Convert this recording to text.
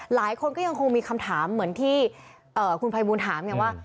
หลายคนก็ยังคงมีคำถามเหมือนที่คุณภัยบูลถามไงว่า